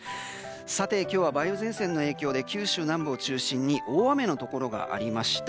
今日は梅雨前線の影響で九州南部を中心に大雨のところがありました。